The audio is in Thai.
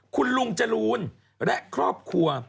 คุณลุงจรูนและครอบครัว